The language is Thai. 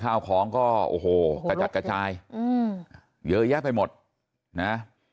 ข้าวของก็โอ้โหกระจัดกระจายเยอะแยะไปหมดนะ